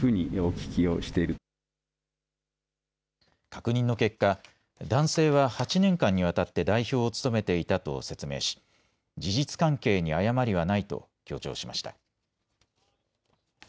確認の結果、男性は８年間にわたって代表を務めていたと説明し、事実関係に誤りはないと強調しました。